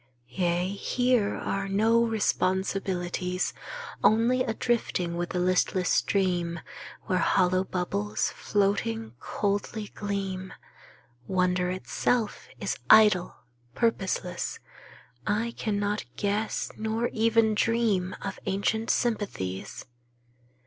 Yea, here are no responsibilities. Only a drifting with the listless stream Where hollow bubbles, floating, coldly gleam. Wonder itself is idle, purposeless; I cannot guess Nor even dream of ancient sympathies.